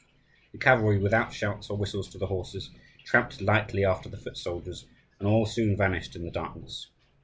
The cavalry, without shouts or whistles to the horses, tramped lightly after the foot soldiers, and all soon vanished in the darkness.